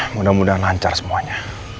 mudah mudahan lancar semuanya